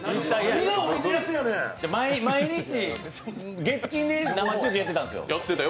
毎日、月金で生中継してたんですよ。